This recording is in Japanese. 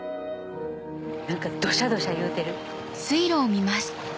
何かドシャドシャいうてる。